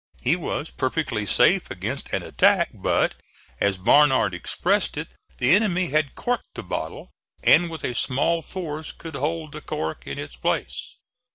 He was perfectly safe against an attack; but, as Barnard expressed it, the enemy had corked the bottle and with a small force could hold the cork in its place.